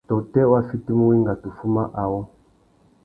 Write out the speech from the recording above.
Tôtê wa fitimú wenga tu fuma awô.